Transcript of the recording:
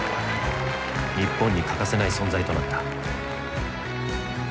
日本に欠かせない存在となった。